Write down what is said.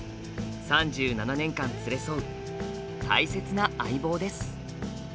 ３７年間連れ添う大切な相棒です。